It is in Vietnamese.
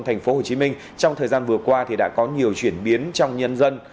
thành phố hồ chí minh trong thời gian vừa qua đã có nhiều chuyển biến trong nhân dân